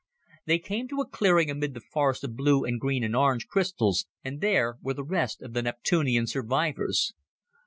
They came to a clearing amid the forest of blue and green and orange crystals, and there were the rest of the Neptunian survivors.